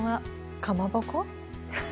かまぼこ？